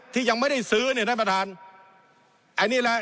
ที่ยังไม่ได้ซื้อเนี่ยท่านประธานอันนี้แหละ